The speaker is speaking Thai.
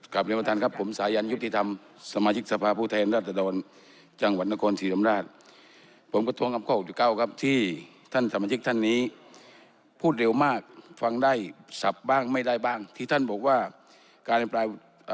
กลับเรียนมาทันครับผมสายันยุทธิธรรมสมาชิกสภาพุทธแห่งราชดรจังหวัดนครศิรรมราชผมก็ท้องกับข้อ๖๙ครับที่ท่านสมาชิกท่านนี้พูดเร็วมากฟังได้สับบ้างไม่ได้บ้างที่ท่านบอกว่าการแบบลาย